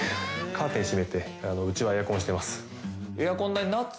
カーテン閉めてうちはエアコンしてます。